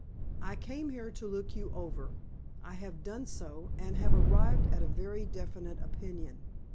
I came here to look you over. I have done so, and have arrived at a very definite opinion.